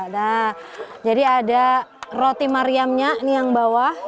nah jadi ada roti maryamnya yang bawah